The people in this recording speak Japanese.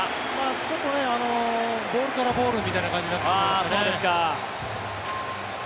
ちょっとボールからボールみたいな感じになってしまいましたね。